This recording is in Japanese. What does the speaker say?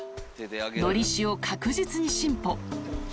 のりしお、確実に進歩。